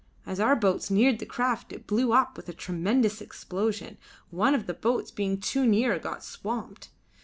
As our boats neared the craft it blew up with a tremendous explosion; one of the boats being too near got swamped.